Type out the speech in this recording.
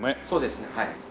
そうですねはい。